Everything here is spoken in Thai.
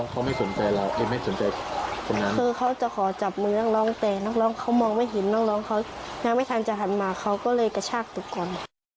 อ๋อคิดว่านักร้องเขาไม่สนใจคนนั้น